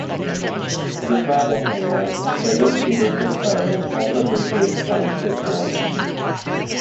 The Travel Channel's "Vegas Cheaters Exposed" also briefly explains his story.